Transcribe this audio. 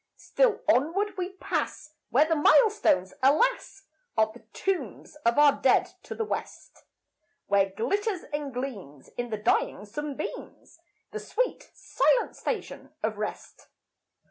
Still onward we pass, where the milestones, alas! Are the tombs of our dead, to the West, Where glitters and gleams, in the dying sunbeams, The sweet, silent Station of Rest.